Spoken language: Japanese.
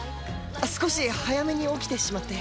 少し早めに起きてしまって。